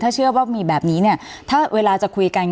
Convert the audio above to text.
ถ้าเชื่อว่ามีแบบนี้เนี่ยถ้าเวลาจะคุยกัน